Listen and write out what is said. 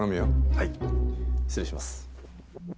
はい失礼します。